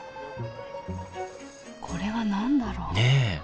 これは何だろう？ねえ